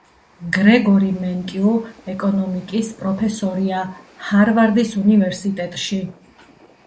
გრეგორი მენკიუ ეკონომიკის პროფესორია ჰარვარდის უნივერსიტეტში.